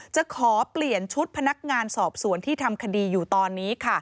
จะขอเปลี่ยนชุดพนักงานสอบสวนที่ทำคดีอยู่ตอนนี้ค่ะ